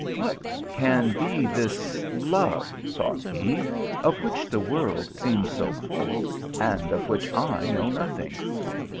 " What can be this love," thought he, "of which the world seems so full, and of which I know nothing?